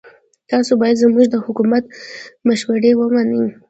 تاسو باید زموږ د حکومت مشورې ومنئ.